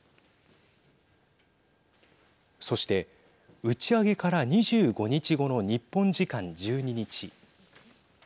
そして打ち上げから２５日後の日本時間１２日。